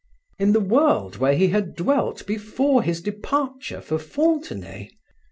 In the world where he had dwelt before his departure for Fontenay?